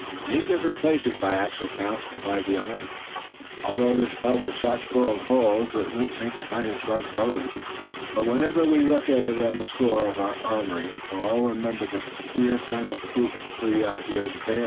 "In eight different places by actual count," replied the other. "Altogether this pelt is shot so full of holes it won't make the finest rug going; but whenever we look at it on the floor of our armory we'll all remember the queer kind of fruit the trees out here bear."